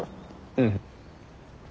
うん。